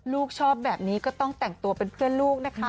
ลูกชอบแบบนี้ก็ต้องแต่งตัวเป็นเพื่อนลูกนะคะ